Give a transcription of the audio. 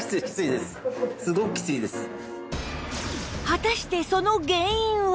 果たしてその原因は？